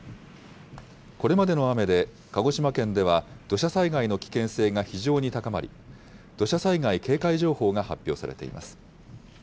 これまでの雨で鹿児島県では土砂災害の危険性が非常に高まり、土砂災害警戒情報が発表されています。